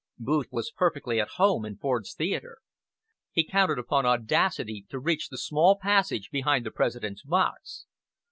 Booth was perfectly at home in Ford's Theatre. He counted upon audacity to reach the small passage behind the President's box.